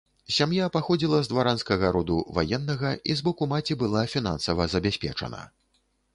Сям'я паходзіла з дваранскага роду ваеннага і з боку маці была фінансава забяспечана.